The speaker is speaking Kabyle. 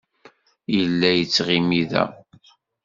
Yella yettɣimi da.